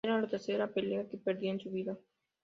Era la tercera pelea que perdía en su vida.